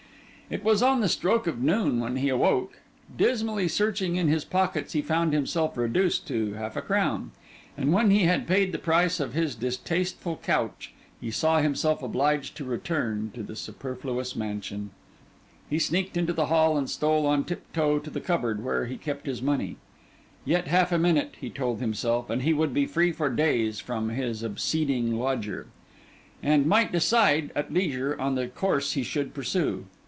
It was on the stroke of noon when he awoke. Dismally searching in his pockets, he found himself reduced to half a crown; and when he had paid the price of his distasteful couch, saw himself obliged to return to the Superfluous Mansion. He sneaked into the hall and stole on tiptoe to the cupboard where he kept his money. Yet half a minute, he told himself, and he would be free for days from his obseding lodger, and might decide at leisure on the course he should pursue.